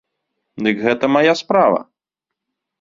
Дык гэта мая справа!